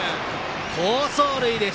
好走塁です。